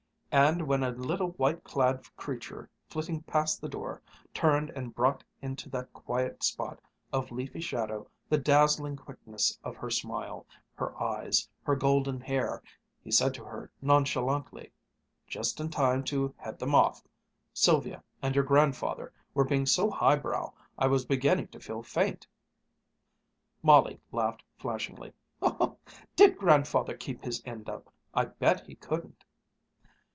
and when a little white clad creature flitting past the door turned and brought into that quiet spot of leafy shadow the dazzling quickness of her smile, her eyes, her golden hair, he said to her nonchalantly: "Just in time to head them off. Sylvia and your grandfather were being so high brow I was beginning to feel faint," Molly laughed flashingly. "Did Grandfather keep his end up? I bet he couldn't!"